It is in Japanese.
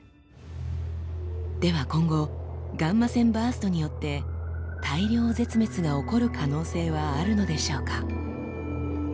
では今後ガンマ線バーストによって大量絶滅が起こる可能性はあるのでしょうか？